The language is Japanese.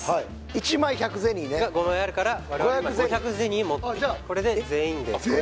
１枚１００ゼニーね５枚あるから今５００ゼニー持っている全員分？